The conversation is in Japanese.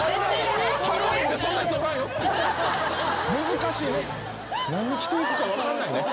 難しいね何着ていくか分かんないね。